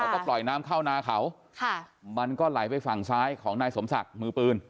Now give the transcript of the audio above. ก็ปล่อยน้ำเข้านาเขาค่ะมันก็ไหลไปฝั่งซ้ายของนายสมศักดิ์มือปืน